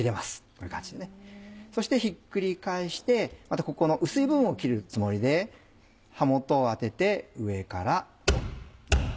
こういう感じでねそしてひっくり返してまたここの薄い部分を切るつもりで刃元を当てて上からトン。